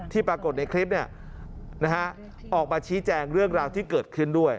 ที่ปรากฏในคลิปเนี่ยนะฮะออกมาชี้แจงเรื่องราวที่เกิดขึ้นด้วย